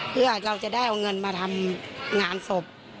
เพื่อเราจะได้เอาเงินมาทำงานศพ